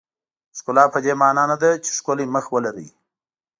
ښکلا پدې معنا نه ده چې ښکلی مخ ولرئ.